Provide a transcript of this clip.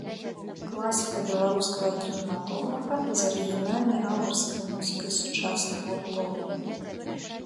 Класіка беларускага кінематографа з арыгінальнай аўтарскай музыкай сучасных гуртоў.